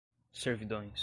servidões